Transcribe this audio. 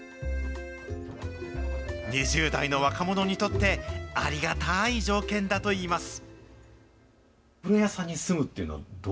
２０代の若者にとって、ありがたい条件だといいます。